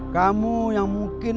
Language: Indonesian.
kamu yang mungkin